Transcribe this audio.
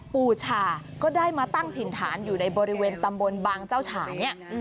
ปูชาก็ได้มาตั้งถิ่นฐานอยู่ในบริเวณตำบลบางเจ้าฉาเนี่ย